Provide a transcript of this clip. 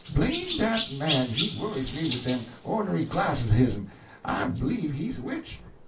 Blame dat man, he worries me wid dem ornery glasses o' hisn; I b'lieve he's a witch.